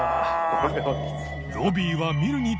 これは。